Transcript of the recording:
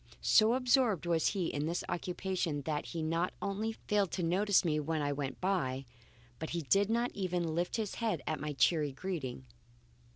So absorbed was he in this occupation that he not only failed to notice me when I went by, but he did not even lift his head at my cheery greeting.